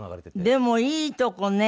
でもいいとこね。